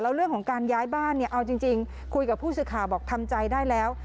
แล้วเรื่องของการย้ายบ้านเนี่ยเอาจริงคุยกับผู้สื่อข่าวบอกทำใจได้แล้ว